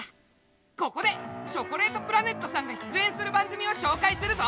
ここでチョコレートプラネットさんが出演する番組を紹介するぞ！